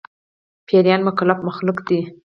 پيريان مکلف مخلوق دي